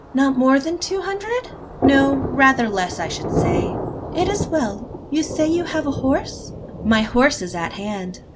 "Not more than two hundred?" "No rather less, I should say." "It is well You say you have a horse?" "My horse is at hand."